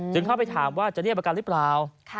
เข้าไปถามว่าจะเรียกประกันหรือเปล่า